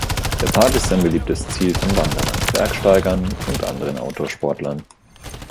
Der Park ist ein beliebtes Ziel von Wanderern, Bergsteigern und anderen Outdoor-Sportlern.